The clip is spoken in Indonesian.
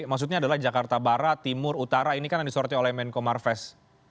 maksudnya adalah jakarta barat timur utara ini kan yang disoroti oleh menko marves